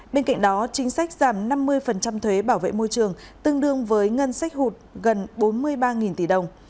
bên cạnh đó chính sách giảm năm mươi thuế bảo vệ môi trường tương đương với ngân sách hụt gần bốn mươi ba tỷ đồng